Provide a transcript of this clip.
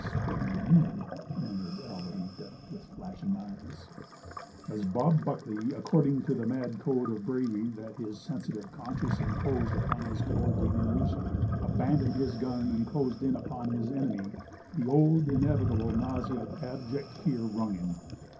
"Splendid!" murmured Alvarita, with flashing eyes. As Bob Buckley, according to the mad code of bravery that his sensitive conscience imposed upon his cowardly nerves, abandoned his guns and closed in upon his enemy, the old, inevitable nausea of abject fear wrung him.